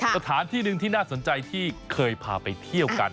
สถานที่หนึ่งที่น่าสนใจที่เคยพาไปเที่ยวกัน